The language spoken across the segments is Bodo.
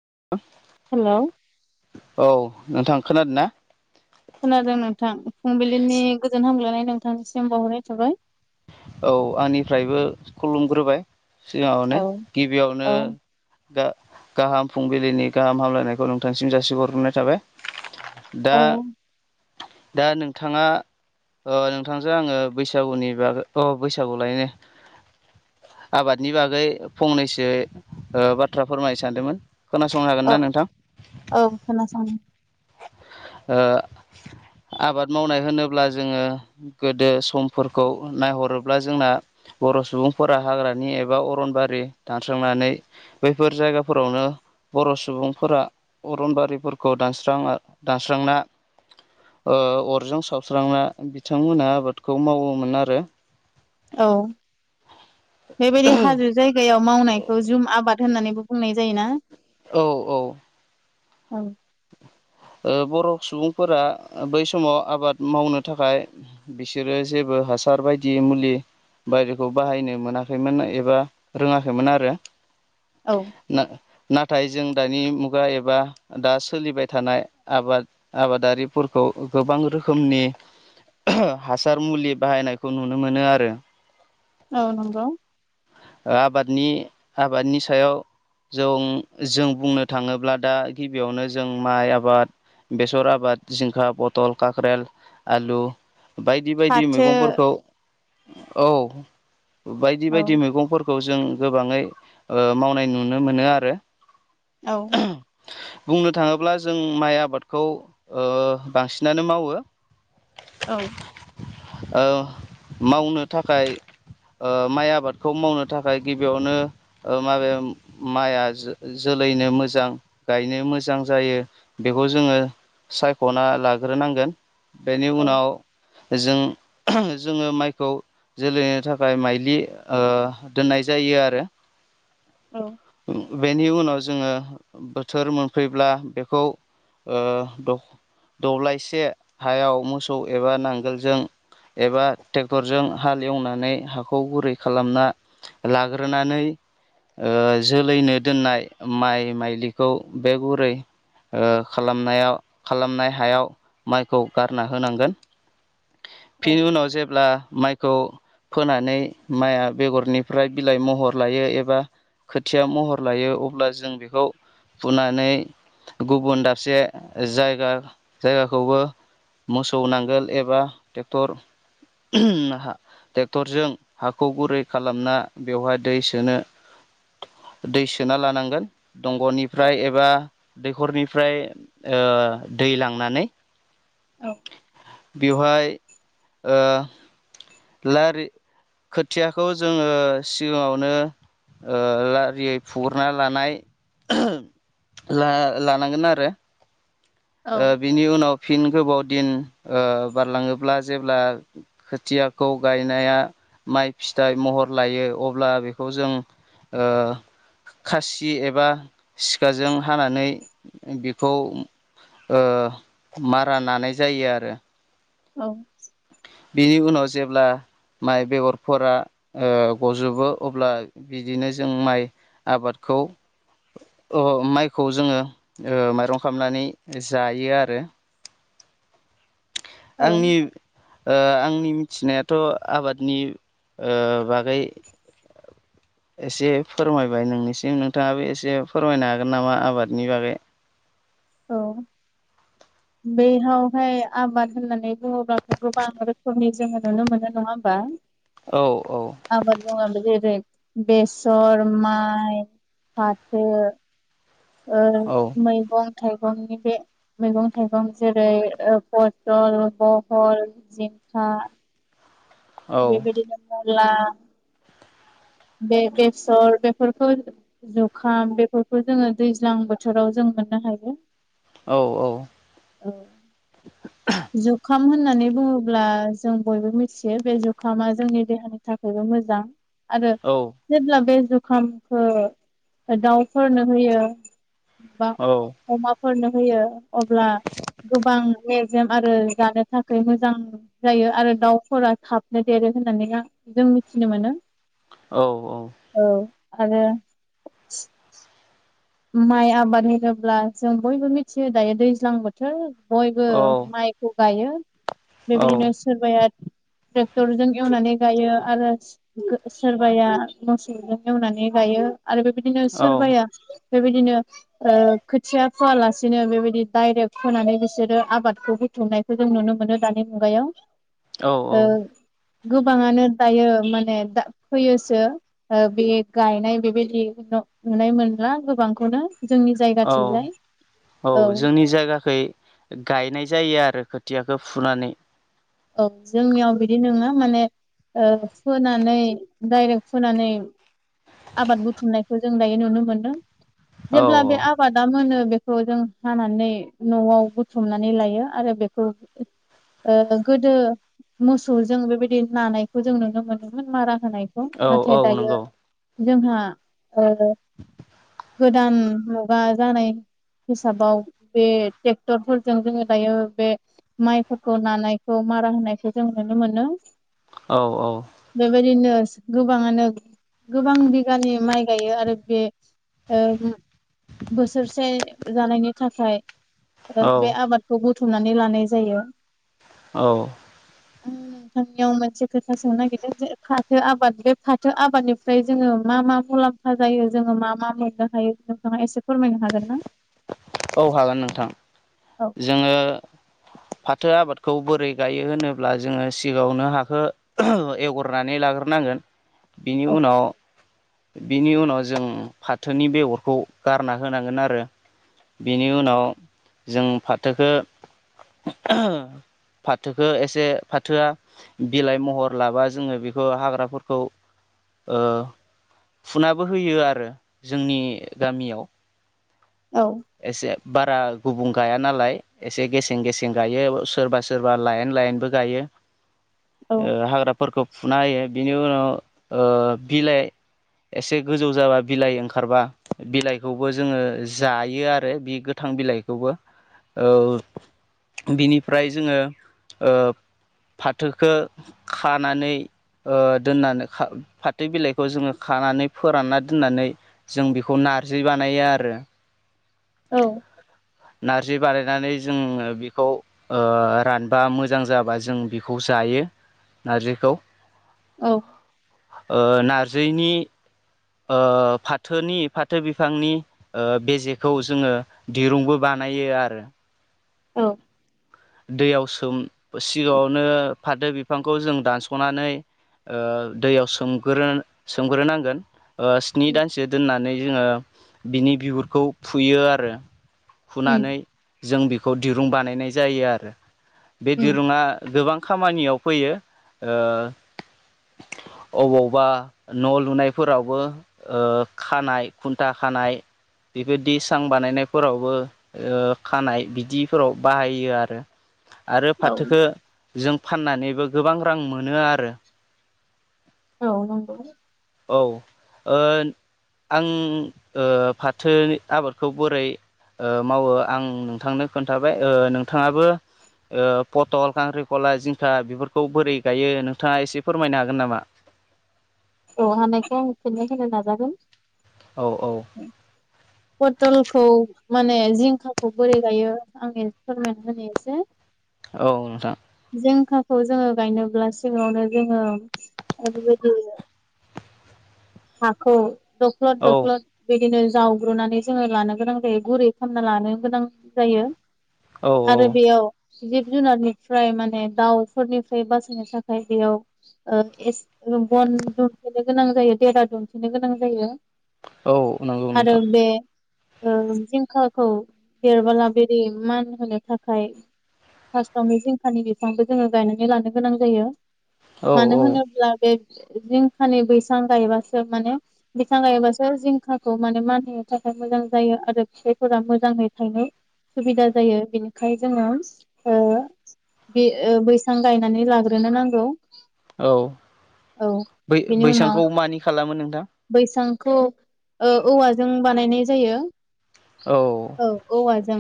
[inaudible] हेलौ औ नोंथां खोनादों ना? खोनादों नोंथां फुंबिलिनि गोजोन हामग्लायनाय नोंथांनिसिम बावहरनाय थाबाय। औ आंनिफ्रायबो खुलुमग्रोबाय सिगाङावनो औ गिबियावनो। औ गाहाम फुंबिलिनि गाहाम हामलायनायखौ नोंथांसिम जासिहरग्रोनाय थाबाय। दा। औ दा नोंथाङा नोंथांजों आङो बैसागुनि बाग अ बैसागु लायनो। आबादनि बागै फंनैसो बाथ्रा फोरमायनो सानदोंमोन। खोनासंनो हागोन औ ना नोंथां औ खोनासं आबाद मावनाय होनोब्ला जोङो गोदो समफोरखौ नायहर हब्ला जोंना बर' सुबुंफोरा हाग्रानि एबा अरनबारि दानस्रांनानै बैफोर जायगाफोरावनो बर' सुबुंफोरा अरनबारिफोरखौ दानस्राङा दानस्रांना अरजों सावस्रांना बिथांमोनहा आबादखौ मावोमोन आरो। औ। बेबायदि हाजो जायगायाव मावनायखौ जुम आबाद होननानैबो बुंनाय जायोना? औ औ। औ। ओ बर' सुबुंफोरा बै समाव आबाद मावनो थाखाय बिसोरो जेबो हासार बायदि मुलि बायदिखौ बाहायनो मोनाखैमोन एबा रोङाखैमोन आरो औ नाथाय जों दानि मुगा एबा दा सोलिबाय थानाय आबाद आबादारिफोरखौ गोबां रोखोमनि हासार मुलि बाहायनायखौ नुनो मोनो आरो। औ नंगौ। आबादनि आबादनि सायाव जों जों बुंनो थाङोब्ला दा गिबियावनो जों माइ आबाद बेसर आबाद जिंखा बथल ककरेल आलु। बायदि बायदि फाथो मैगंफोरखौ औ बायदि औ बायदि मैगं। फोरखौ जों गोबाङै मावनाय नुनो मोनो आरो औ। बुंनो थाङोब्ला जों माइ आबादखौ बांसिनानो मावो। औ। मावनो थाखाय माइ आबादखौ मावनो। थाखाय गिबियावनो माबे माइआ जोलैनो मोजां गायनो। मोजां जायो बेखौ जोङो सायख'ना लाग्रोनांगोन। बेनि औ उनाव जों जोङो माइखौ जोलैनो थाखाय माइलि दोननाय जायो आरो औ बेनि उनाव जोङो बोथोर मोनफैब्ला बेखौ दब्लायसे हायाव मोसौ एबा नांगोलजों। एबा ट्रेक्टरजों हाल एवनानै हाखौ गुरै खालामना लाग्रोनानै। जोलैनो दोननाय माइ माइलिखौ बे गुरै खालामनायाव खालामनाय हायाव माइखौ गारना होनांगोन। औ बिनि उनाव जेब्ला माइखौ फोनानै माइआ बेगरनिफ्राय बिलाइ महर लायो एबा खोथिया महर लायो अब्ला जों बेखौ फुनानै गुबुन दाबसे जायगा जायगाखौबो मोसौ नांगोल एबा ट्रेक्टर ट्रेक्टरजों हाखौ गुरै खालामना बेवहाय दै सोनो। दै सोना लानांगोन औ दंग'निफ्राय एबा दैख'रनिफ्राय ओमफ्राय ओ दै लांनानै औ बेवहाय ओ लारि खोथियाखौ जोंङो सिगांङावनो ओ लारियै फगोरना लानाय ला-लानांगोन आरो ओ बिनि उनाव फिन गोबाव दिन ओ बारलाङोब्ला जेब्ला खोथिया खौ गायनाया माइ फिथाइ महर लायो अब्ला बेखौ जों ओ खासि एबा सिखाजों हानानै बेखौ ओओ मारा नानाय जायो आरो औ बिनि उनाव जेब्ला माइ बेगरफोरा ओ गजोबो अब्ला बिदिनो जों माइ आबादखौ अ माइखौ जोंङो ओ माइरं खालामनानै जायो आरो औ आंनि ओ आंनि थिनायाथ' आबादनि ओ बागै [inaudible] एसे फोरमायबाय नोंनिसिम नोंथांङाबो एसे फोरमायनो हागोन नामा? आबादनि बागै औ बैयावहाय आबाद होननानै बुंङोब्लाथ' गोबां रोखोमनि जोंङो नुनो मोनो नंङा होमबा औ औ आबाद मावनानै जेरै बेसर माइ फाथो ओ औ मैगं थाइगंनि बे मैगं थाइगं जेरै ओ पथल बहल जिंखा खा औ बेबायदि जेबोला बे बेसर बेफोरखौ जुखाम बेफोरखौ जोंङो दैज्लां बोथोराव जोंङो मोननो हागौ औ औ जुखाम जुखाम होननानै बुंङोब्ला जों बयबो मिथियो बे जुखामा जोंनि देहानि थाखायबो मोजां आरो औ जेब्ला बे जुखामखौ दाउफोरनो होयो बा अमाफोरनो होयो अब्ला गोबां आरो जानो थाखाय मोजां जायो आरो दाउफोरा थाबनो देरो होननानै जों मिथिनो मोनो औ औ आरो माइ आबाद होनोब्ला जों बयबो मिथियो दायो दैज्लां बोथोर बयबो औ माइखौ गायो बेबायदिनो सोरबाया ट्रेक्टरजों एवनानै गायो आरो सोरबाया मोसौजों एवनानै गायो आरो बेबायदिनो सोरबाया बेबायदिनो ओ खोथिया फोयालासेनो बेबायदि डायरेक्ट फोनानै बिसोरो आबादखौ बुथुमनायखौ जों नुनो मोनो दानि मुगायाव। औ औ गोबांङानो दायो माने फैयोसो ओ बे गायनाय बेबायदि नुनाय मोनला गोबांखौनो। जोंनि औ जायगाथिंजाय औ जोंनि जायगाखै गायनाय जायो आरो। खोथियाखौ फुनानै औ जोंनियाव बिदि नोङा माने ओ फोनानै डाइरेक्ट फोनानै आबाद बुथुमनायखौ जों दायो नुनो मोनदों। औ जेब्ला बे आबादा मोनो बे बेखौ जों हानानै न'आव बुथुमनानै लायो आरो बेखौ ओ गोदो मोसौजों बेबायदि नानायखौ जों नुनो मोनोमोन मारा होनायखौ औ औ नाथाय दायो नंगौ जोंहा ओ गोदान मुगा जानाय हिसाबाव बे ट्रेक्टरफोरजों जोङो दायो बे माइफोरखौ नानाय खौ मारा होनायखौ जों नुनो मोनो। औ औ बेबायदिनो गोबाङानो गोबां बिगानि माइ गायो आरो बे ओ बोसोरसे जानायनि थाखाय औ बे आबादखौ बुथुमनानै लानाय जायो। औ। आं नोंथांनियाव मोनसे खोथा सोंनो नागिरदों जे फाथो आबाद बे फाथो आबादनिफ्राय जोङो मा मा मुलाम म्फा जायो जोङो मा मा मोननो हायो नोंथाङा एसे फोरमायनो हागोन ना? औ हागोन नोंथां। औ जोङो फा फाथो आबादखौ बोरै गायो होनोब्ला जोङो सिगाङावनो हाखौ एवग्रोनानै लाग्रोनांगोन। [inaudible] बिनि उनाव बेनि उनाव जों फाथोनि बेगरखौ गारना होनांगोन आरो। बेनि उनाव जों फाथोखो फाथोखौ एसे फाथोआ बिलाइ महर लाबा जोङो बेखौ हाग्राफोरखौ ओ फुुनाबो होयो आरो जोंनि गामियाव। औ एसे बारा गुबुं गाया नालाय एसे गेसें गेसें गायो सोरबा सोरबा लाइन लाइनबो गायो। औ ओ हाग्राफोरखौ फुना होयो। बिनि उनाव ओ‌ बिलाइ एसे गोजौ जाबा बिलाइ ओंखारबा बिलाइखौबो जोङो जायो। बियो आरो बे गोथां बिलाइखौबो औ। बिनिफ्राय जोङो ओ फाथोखो खानानै ओ दोननानै फाथो बिलाइखौ जोङो खानानै फोरानना दोननानै जों बेखौ नारजि बानायो आरो। औ नारजि बानायनानै जोङो बेखौ रानबा मोजां जाबा जों बिखौ जायो। नारजिखौ। औ ओ नार्जिनि ओ फाथोनि फाथो बिफांनि ओ बेजेखौ जोङो दिरुंबो बानायो आरो। औ दैयाव सोम सिगाङावनो फाथो बिफांखौ जों दानस'नानै ओ दैयाव सोमग्रोन सोमग्रोनांगोन। ओ स्नि दानसो दोननानै जोङो बिनि बिगुरखौ फुयो आरो। उम फुनानै जों बिखौ दिरुं बानायनाय जायो आरो बे उम दिरुुंआ गोबां खामानियाव फैयो ओ अबावबा न' लुनायफोरावबो ओ खानाय खुन्था खानाय। बेबायदि सां बानायनायफोरावबो ओ खानाय दिफोराव बाहायो आरो आरो औ फाथोखो जों फान्नानैबो गोबां रां मोनो आरो। औ नंगौ। औ ओ आं ओ फाथोनि आबादखौ बोरै ओ मावो आं नोंथांनो खोन्थाबाय ओ नोंथाङाबो ओ पटल कांक्रिकला जिंखा बेफोरखौ बोरै गायो नोंथाङा एसे फोरमायनो हागोन नामा। औ हानायखौ आं फिन्नाय होनो नाजागोन। औ औ पटलखौ माने जिंखाखौ बोरै गायो आं एसे फोरमायना होनि एसेे। औ नोंथां। जिंखाखौ जोङो गायनोब्ला सिगाङावनो जोङो ओरैबायदि हाखौ दख्लद औ दख्लद बिदिनो जावग्रोनानै जोङो लानो गोनां जायो गुरै खामना लानो गोनां जायो। औ आरो बेयाव जिब जुनारनिफ्राय माने दाउफोरनिफ्राय बासायनो थाखाय बेयाव ओ एसे बन दुमथेनो गोनां जायो देेरा दुन्थेनो गोनां जायो। औ नंगौ आरो नोंथां। बे ओ जिंखाखौ देरबोला बिदि मान होनो थाखाय फास्थआवनो जिंखानि बिफांबो जोङो गायनानै लानो गोनां जायो। औ मानो औ होनोब्ला बे जिंखानि बैसां गायोबासो माने बिफां गायोबासो जिंखाखौ माने मानहोनो थाखाय मोजां जायो आरो फिथायफोर फोरा मोजाङै थायनो सुबिदा जायो बिनिखाय जोङो ओ बे ओ बैसां गायनानै लाग्रोनो नांगौ। औ औ बै बेनि उनाव बैसांखौ मानि खालामो नोंथां। बैसांखौ ओ औवाजों बानायनाय जायो। औ ओव औवाजों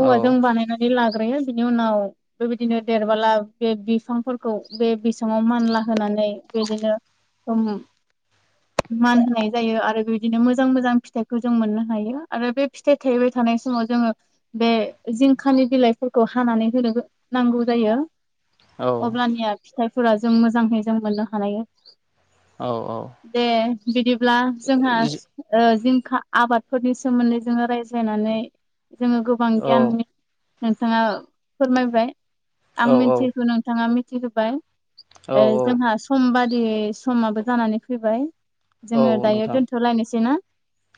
औ औवाजों बानायनानै लाग ग्रोयो बिनि उनाव बेबायदिनो देरबोला बे बिफांफोरखौ बे बिसाङाव मानला होनानै नै बिदिनो उम मान होनाय जायो आरो बेबायदिनो मोजां मोजां फिथाइखौ जों मोन्नो हायो आरो बे फिथाइ थायबाय थानाय समाव समाव जोङो बे जिंखानि बिलाइफोरखौ हानानै होनो नांगौ जायो। औ अब्लानिया फिथाइफोरा जों मोजाङै जों मोननो हायो। औ औ। दे बिदिब्ला जोंहा ओ जिंखा आबादफोरनि सोमोन्दै जोङो रायज्लाय रायज्लायनानै जोङो गोबां गियान नोंथाङा फोरमायबाय। आं औ मिन्थियैखौ नोंथाङा मिथिहोबाय औ ओ जोंहा समबाद बादियै समाबो जानानै फैबाय औ जोङो दायो नोंथां दोनथ'लायनोसै ना।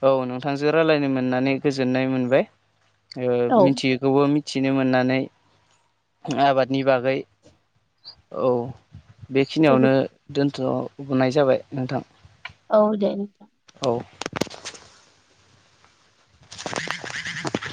औ नोंथांजो रायलायनो मोननानै गोजोन्नाय मोनबाय ओ औ मिथियैखौबो मि मिथिनो मोन्नानै आबादनि बागै औ। दे बिदि बेखिनियावनो दोनथ'नाय जाबाय नोंथां। औ दे नोंथां। औ। [unintelligible]